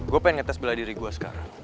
gue pengen ngetes bela diri gue sekarang